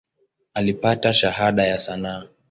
Alipata Shahada ya sanaa.